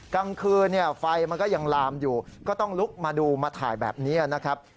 กลางคืนไฟมันก็ยังลามอยู่ก็ต้องลุกมาดูมาถ่ายแบบนี้นะครับ